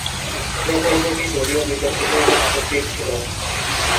প্রকল্পটি যদিও বিতর্কিত এবং আপত্তির ছিল।